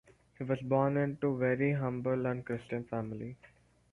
He was born into very humble and Christian family.